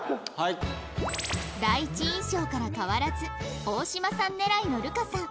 第一印象から変わらず大島さん狙いの流佳さん